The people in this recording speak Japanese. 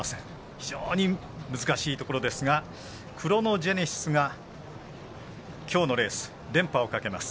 非常に難しいところですがクロノジェネシスがきょうのレース連覇をかけます。